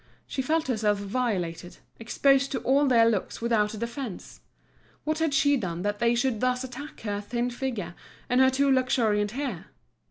She felt herself violated, exposed to all their looks, without defence. What had she done that they should thus attack her thin figure, and her too luxuriant hair?